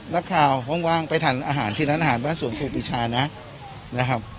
นักข่าวห้องว่างไปทานอาหารที่น้ำอาหารบ้านสวนครูปิชานะนะครับ